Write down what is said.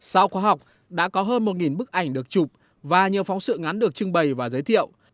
sau khóa học đã có hơn một bức ảnh được chụp và nhiều phóng sự ngắn được trưng bày và giới thiệu